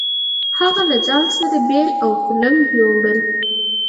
هغه له ځان سره بېل او کُلنګ يو وړل.